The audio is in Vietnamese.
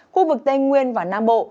khu vực tây nguyên và nam bộ